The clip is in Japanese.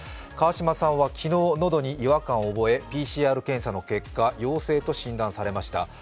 川島さんは昨日、喉に違和感を覚えＰＣＲ検査の結果、陽性と診断されました。